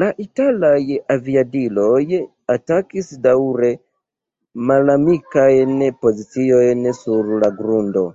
La italaj aviadiloj atakis daŭre malamikajn poziciojn sur la grundo.